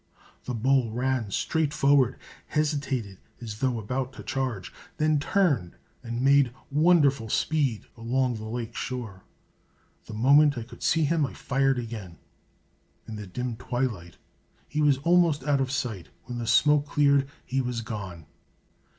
The bull ran straight forward, hesitated as though about to charge, then turned and made wonderful speed along the lake shore. The moment I could see him I fired again. In the dim twilight he was almost out of sight. When the smoke cleared he was gone.